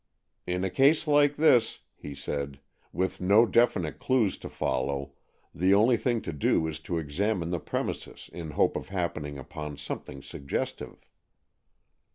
"In a case like this," he said, "with no definite clues to follow, the only thing to do is to examine the premises in hope of happening upon something suggestive."